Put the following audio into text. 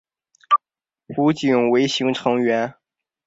浦井唯行成员。